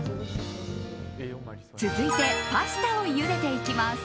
続いてパスタをゆでていきます。